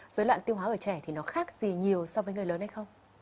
dối loạn tiêu hóa ở trẻ thì nó khác gì nhiều so với người lớn hay không